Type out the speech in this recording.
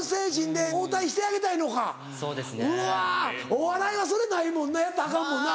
お笑いはそれないもんねやったらアカンもんな。